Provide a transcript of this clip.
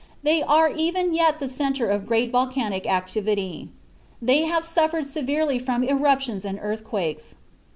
They are even yet the centre of great volcanic activity. They have suffered severely from eruptions and earthquakes.